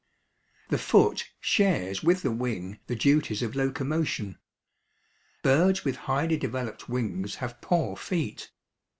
The foot shares with the wing the duties of locomotion. Birds with highly developed wings have poor feet.